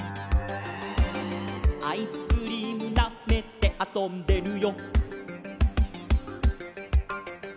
「アイスクリームなめてあそんでるよ」